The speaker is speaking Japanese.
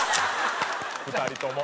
２人とも。